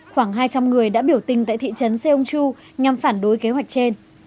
khoảng hai trăm linh người đã biểu tình tại thị trấn seoungchu nhằm phản đối kế hoạch trên